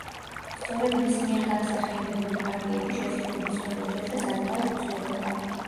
სწორედ მის მიერ განსახიერებული პარტიები შესრულების ყოველ ჯერზე საკმაოდ იცვლებოდა.